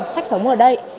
sách sống ở đây